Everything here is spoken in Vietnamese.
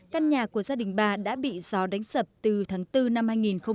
căn nhà của gia đình bà đã bị gió đánh sập từ tháng bốn năm hai nghìn một mươi bảy